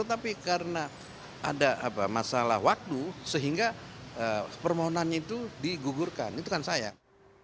tapi karena ada masalah waktu sehingga permohonannya itu digugurkan itu kan sayang